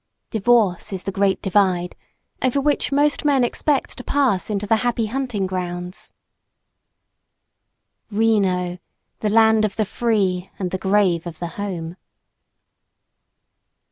Divorce is the Great Divide, over which most men expect to pass into the Happy Hunting Grounds. Reno! The land of the free and the grave of the home!